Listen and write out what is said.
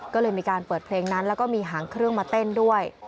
ก็เลยมีการเปิดเพลงนั้นแล้วก็มีหางเครื่องมาเต้นด้วย